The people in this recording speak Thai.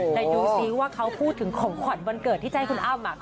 แต่ดูซิว่าเขาพูดถึงของขวัญวันเกิดที่จะให้คุณอ้ำ